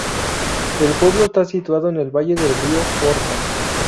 El pueblo está situado en el Valle del río Orza.